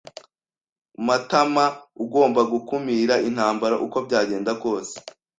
Matamaugomba gukumira intambara uko byagenda kose.